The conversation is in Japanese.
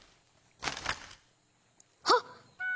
はっ！